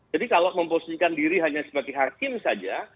jadi kalau mempositikan diri hanya sebagai hakim saja